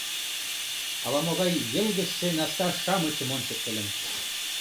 Ала-могай йылгыжше наста-шамычым ончыктыльым.